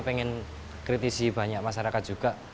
kita ingin kritisi banyak masyarakat juga